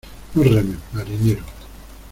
No remes, marinero.